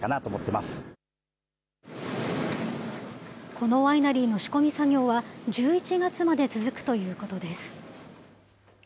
このワイナリーの仕込み作業は１１月まで続くということです。